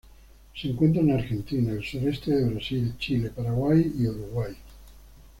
Se encuentra en Argentina, el sureste de Brasil, Chile, Paraguay y Uruguay.